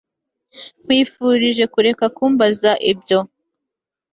nkwifurije kureka kumbaza ibyo